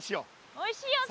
おいしいよセミ。